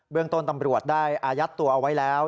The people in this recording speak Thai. เรื่องต้นตำรวจได้อายัดตัวเอาไว้แล้ว